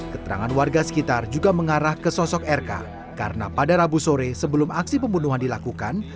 keterangan warga sekitar juga mengarah ke sosok rk karena pada rabu sore sebelum aksi pembunuhan dilakukan